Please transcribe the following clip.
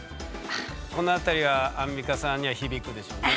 この辺りはアンミカさんには響くでしょうね。